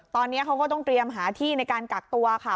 ตอนนี้เขาก็ต้องเตรียมหาที่ในการกักตัวค่ะ